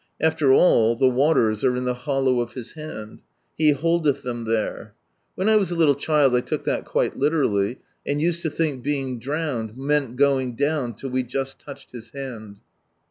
After all the waters are in the hollow of His liand. He " holdeth " them there, When I was a little child I took that quite literally, and used to think being drowned meant going down //// we just touched His hand.